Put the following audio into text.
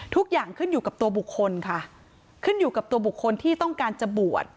ทุกอย่างขึ้นอยู่กับตัวบุคคลค่ะขึ้นอยู่กับตัวบุคคลที่ต้องการจะบวช